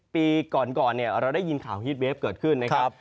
ปีก่อนเราได้ยินข่าวฮีตเวฟเกิดขึ้นนะครับ